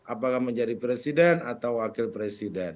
apakah menjadi presiden atau wakil presiden